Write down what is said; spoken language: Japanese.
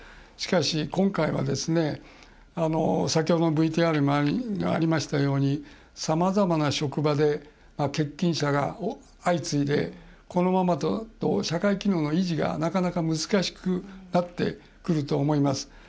しかし、今回は先ほどＶＴＲにもありましたようにさまざまな職場で欠勤者が相次いでこのままだと社会機能の維持がなかなか難しくなってくると思います。